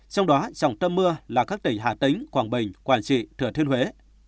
trong đó trọng tâm mưa là các tỉnh hà tĩnh quảng bình quảng trị thừa thiên huế